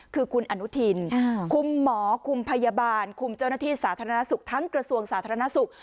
คือคุณอนุทินคุมหมอคุมพยาบาลคุมเจ้าหน้าที่สาธารณสุขทั้งกระทรวงสาธารณสุข